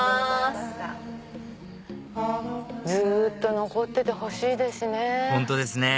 ずっと残っててほしいですね。